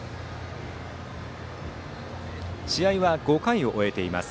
試合は、５回を終えています。